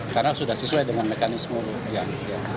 karena sudah sesuai dengan mekanisme yang